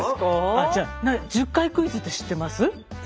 あっじゃ１０回クイズって知ってます？